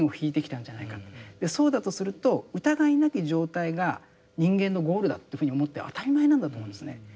そうだとすると疑いなき状態が人間のゴールだというふうに思って当たり前なんだと思うんですね。